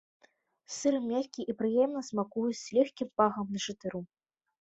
Сыр мяккі і прыемна смакуе з лёгкім пахам нашатыру.